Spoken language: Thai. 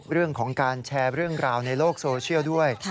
เรื่องของการแชร์เรื่องราวในโลกโซเชียลด้วย